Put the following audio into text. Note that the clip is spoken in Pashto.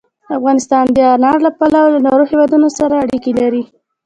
افغانستان د انار له پلوه له نورو هېوادونو سره اړیکې لري.